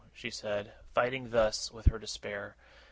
she said, fighting thus with her despair.